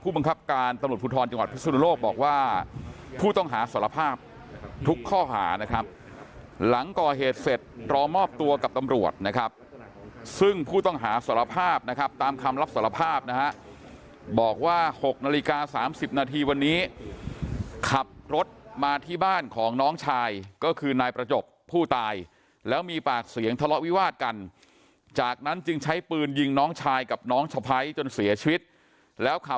ผู้บังคับการตำรวจภูทรจังหวัดพฤศนโลกบอกว่าผู้ต้องหาสารภาพทุกข้อหานะครับหลังก่อเหตุเสร็จรอมอบตัวกับตำรวจนะครับซึ่งผู้ต้องหาสารภาพนะครับตามคำลับสารภาพนะฮะบอกว่าหกนาฬิกาสามสิบนาทีวันนี้ขับรถมาที่บ้านของน้องชายก็คือนายประจกผู้ตายแล้วมีปากเสียงทะเลาะวิวาสกั